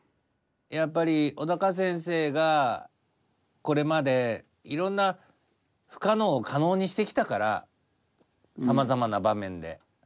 やっぱり小鷹先生がこれまでいろんな不可能を可能にしてきたからさまざまな場面で。